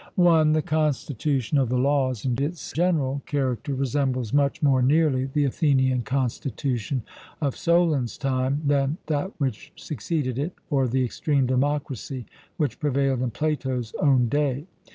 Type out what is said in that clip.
(i) The constitution of the Laws in its general character resembles much more nearly the Athenian constitution of Solon's time than that which succeeded it, or the extreme democracy which prevailed in Plato's own day.